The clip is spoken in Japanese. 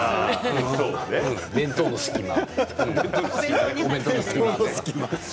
弁当の隙間。